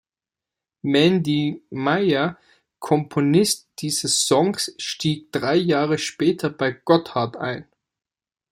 Mandy Meyer, Komponist dieses Songs, stieg drei Jahre später bei Gotthard ein.